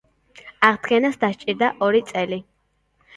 აღდგენას დასჭირდა ორი წელი.